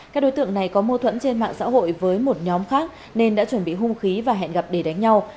các đối tượng này có mâu thuẫn trên mạng xã hội với một nhóm khác nên đã chuẩn bị hung khí và hẹn gặp để đánh nhau